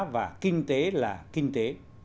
và kinh tế là kinh tế